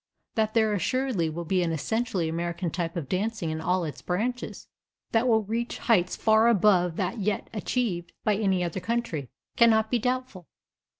That there assuredly will be an essentially American type of dancing in all its branches, that will reach heights far above that yet achieved by any other country, cannot be doubtful.